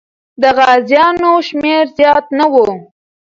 د غازیانو شمېر زیات نه و.